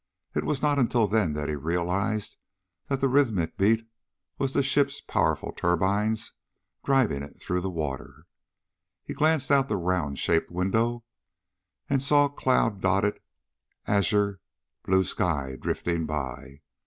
It was not until then that he realized that the rhythmic beat was the ship's powerful turbines driving it through the water. He glanced out the round shaped "window" and saw cloud dotted azure blue sky drifting by.